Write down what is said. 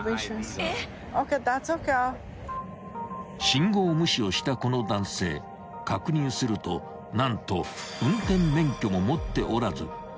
［信号無視をしたこの男性確認すると何と運転免許も持っておらず］